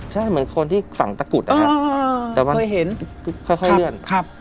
ใช่เหมือนคนที่ฝั่งตะกุดนะครับแต่ว่าเคยเห็นค่อยเลื่อน